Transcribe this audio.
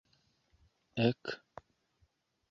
ek!